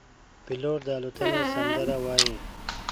پیلوټ د الوتنې سندره وايي.